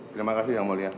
terima kasih yang melihat